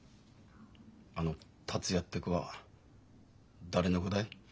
あの達也って子は誰の子だい？